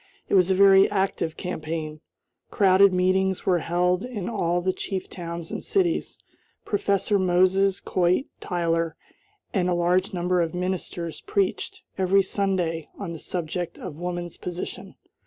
It was a very active campaign. Crowded meetings were held in all the chief towns and cities. Professor Moses Coit Tyler, and a large number of ministers preached, every Sunday, on the subject of woman's position.